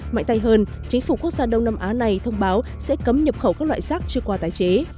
mạnh tay hơn chính phủ quốc gia đông nam á này thông báo sẽ cấm nhập khẩu các loại rác chưa qua tái chế